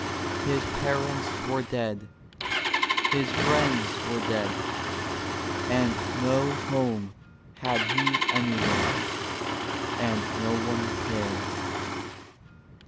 His parents were dead, his friends were dead, and no home had he an3^where, and no one cared.